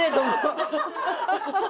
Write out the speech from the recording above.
ハハハハ！